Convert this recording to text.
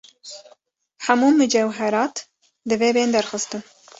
Hemû mucewherat divê bên derxistin.